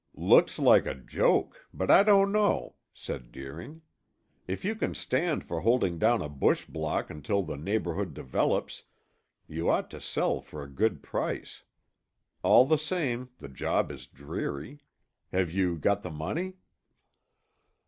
"Looks like a joke; but I don't know," said Deering. "If you can stand for holding down a bush block until the neighborhood develops, you ought to sell for a good price. All the same, the job is dreary. Have you got the money?"